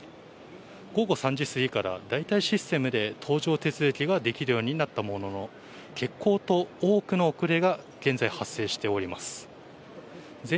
午後３時すぎから代替システムで登場手続きができるようになったものの欠航と多くの遅れが現在発生しております。